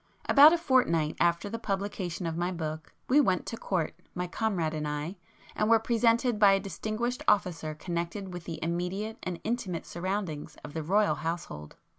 About a fortnight after the publication of my book, we went to Court, my comrade and I, and were presented by a distinguished officer connected with the immediate and intimate surroundings of the Royal household.